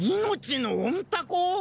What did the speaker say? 命の恩タコ！？